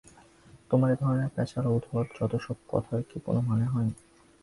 তোমার এ ধরনের প্যাঁচালো উদ্ভট যত সব কথার কি কোনো মানে হয়?